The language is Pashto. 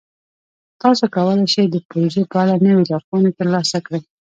تاسو کولی شئ د پروژې په اړه نوې لارښوونې ترلاسه کړئ.